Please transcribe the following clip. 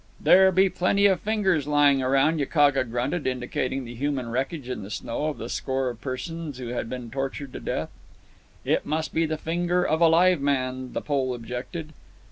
"There be plenty of fingers lying around," Yakaga grunted, indicating the human wreckage in the snow of the score of persons who had been tortured to death. "It must be the finger of a live man," the Pole objected.